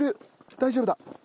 大丈夫だ。